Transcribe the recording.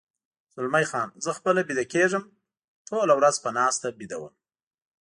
زلمی خان: زه خپله ویده کېږم، ټوله ورځ په ناسته ویده وم.